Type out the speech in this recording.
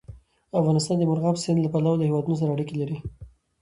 افغانستان د مورغاب سیند له پلوه له هېوادونو سره اړیکې لري.